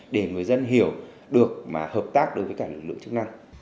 để người dân hiểu được mà hợp tác đối với cả lực lượng chức năng